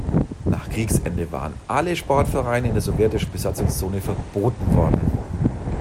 Nach Kriegsende waren alle Sportvereine in der sowjetischen Besatzungszone verboten worden.